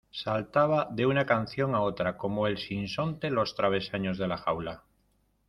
saltaba de una canción a otra, como el sinsonte los travesaños de la jaula